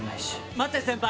待って、先輩！